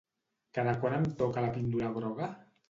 Cada quant em toca la píndola groga?